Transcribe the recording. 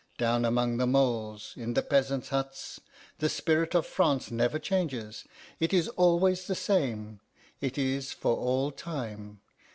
Down among the moles, in the peasants' huts, the spirit of France never changes it is always the same; it is for all time.